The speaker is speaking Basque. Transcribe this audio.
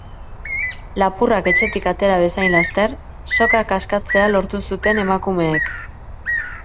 Lapurrak etxetik atera bezain laster, sokak askatzea lortu zuten emakumeek.